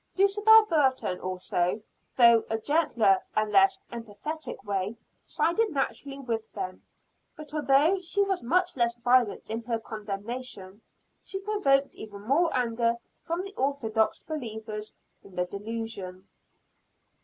Dulcibel Burton also, though in a gentler and less emphatic way, sided naturally with them, but, although she was much less violent in her condemnation, she provoked even more anger from the orthodox believers in the delusion.